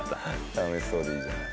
楽しそうでいいじゃない。